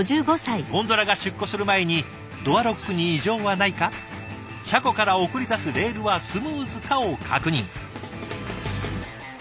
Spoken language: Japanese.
ゴンドラが出庫する前にドアロックに異常はないか車庫から送り出すレールはスムーズかを確認。